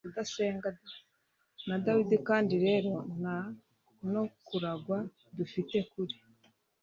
na dawidi kandi rero nta no kuragwa dufite kuri